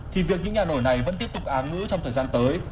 thì việc những nhà nổi này vẫn tiếp tục áng ngữ trong thời gian tới